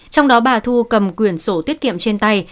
trong đó bà thu cầm quyền sổ tiết kiệm trên tay